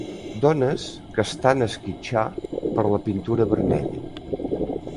Dones que estan esquitxar per la pintura vermella